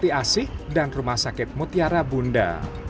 bupati asih dan rumah sakit mutiara bunda